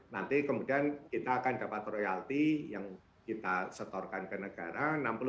nanti kemudian kita akan dapat royalti yang kita setorkan ke negara